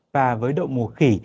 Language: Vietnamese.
và với động mùa khỉ